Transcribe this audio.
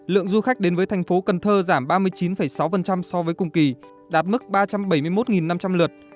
lượng du khách đến với thành phố cần thơ giảm ba mươi chín sáu so với cùng kỳ đạt mức ba trăm bảy mươi một năm trăm linh lượt